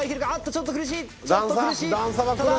ちょっと苦しいどうだ？